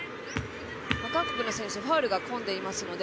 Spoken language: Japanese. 韓国の選手ファウルがこんでいますので